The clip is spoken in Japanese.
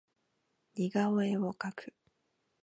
似顔絵を描く